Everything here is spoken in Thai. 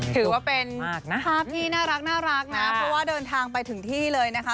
ถือว่าเป็นภาพที่น่ารักนะเพราะว่าเดินทางไปถึงที่เลยนะคะ